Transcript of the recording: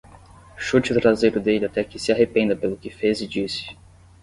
Chute o traseiro dele até que se arrependa pelo que fez e disse